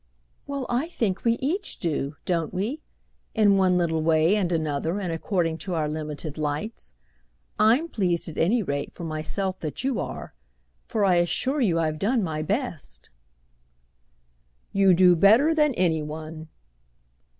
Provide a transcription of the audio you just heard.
"Well, I think we each do—don't we?—in one little way and another and according to our limited lights. I'm pleased at any rate, for myself, that you are; for I assure you I've done my best." "You do better than any one!"